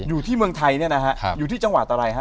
อยู่ที่เมืองไทยเนี่ยนะครับอยู่ที่จังหวัดอะไรครับเซียนแปะ